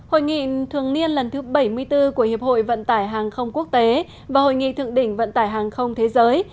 hội nghị thường niên lần thứ bảy mươi bốn của hiệp hội vận tải hàng không quốc tế và hội nghị thượng đỉnh vận tải hàng không thế giới